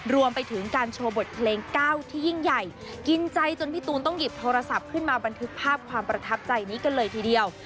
รวมไปถึงการโชว์บทเพลงเก้าที่ยิ่งใหญ่กินใจจนพี่ตูนต้องหยิบโทรศัพท์ขึ้นมาบันทึกภาพความประทับใจนี้กันเลยทีเดียว